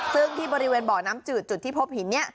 ซึ่งที่บริเวณบ่อน้ำจืดจุดที่พบหินนี้